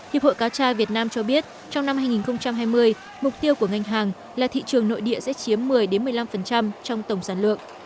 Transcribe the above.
hiệp hội cá tra việt nam cho biết trong năm hai nghìn hai mươi mục tiêu của ngành hàng là thị trường nội địa sẽ chiếm một mươi một mươi năm trong tổng sản lượng